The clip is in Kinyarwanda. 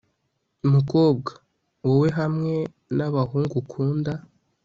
mukobwa, wowe 'hamwe na bahungu ukunda